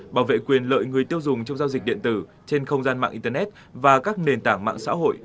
bảo vệ quyền lợi người tiêu dùng trong giao dịch điện tử trên không gian mạng internet và các nền tảng mạng xã hội